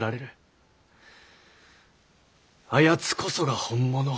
あやつこそが本物。